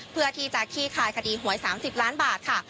เพื่อที่จะขี้คายคดีหวย๓๐ล้านบาทค่ะ